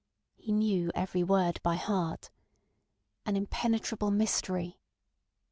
He knew every word by heart. "An impenetrable mystery.